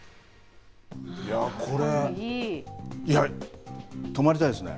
これ、泊まりたいですね。